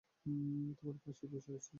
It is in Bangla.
তোমার পাশেই বসে আছি।